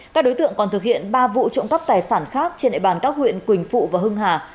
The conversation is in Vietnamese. các đối tượng còn thực hiện ba vụ trộm cắp tài sản khác trên địa bàn các huyện quỳnh phụ và hưng hà